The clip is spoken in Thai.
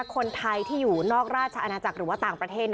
คนไทยที่อยู่นอกราชอาณาจักรหรือว่าต่างประเทศ